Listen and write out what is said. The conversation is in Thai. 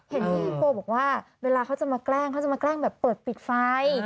เห็นพี่ฮิโปบอกว่าเวลาเขาจะมาแกล้งเขาจะมาแกล้งแบบเปิดปิดไฟ